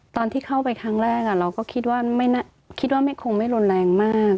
ตอนที่เข้าไปครั้งแรกเราก็คิดว่าไม่คงรนแรงมาก